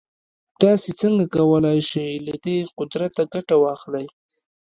تاسې څنګه کولای شئ له دې قدرته ګټه واخلئ.